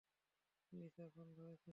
Lisa phone করেছিল।